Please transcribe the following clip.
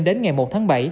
đến ngày một tháng bảy